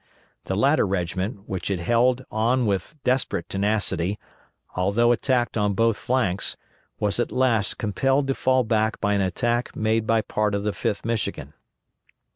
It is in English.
The latter regiment, which had held on with desperate tenacity, although attacked on both flanks, was at last compelled to fall back by an attack made by part of the 5th Michigan.